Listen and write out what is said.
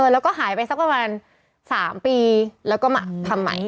แล้วก็หายไปสักประมาณ๓ปีแล้วก็มาทำใหม่